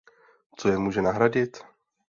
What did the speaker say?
Co je může nahradit?